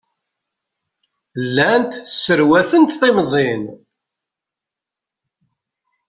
Llant sserwatent timẓin.